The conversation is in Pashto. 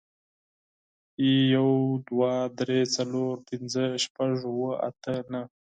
يو، دوه، درې، څلور، پينځه، شپږ، اووه، اته، نهه